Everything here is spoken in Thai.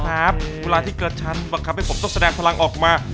กว่านี้นะครับว่าเวลาที่เกิดฉันบักคับให้ผมสดแสดงพลังออกมา